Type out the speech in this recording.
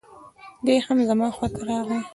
دی هم زما خواته راغی.